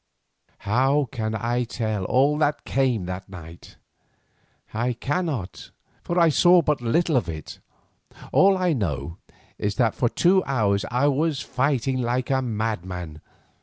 How can I tell all that came to pass that night? I cannot, for I saw but little of it. All I know is that for two hours I was fighting like a madman.